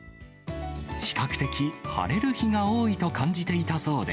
比較的晴れる日が多いと感じていたそうで、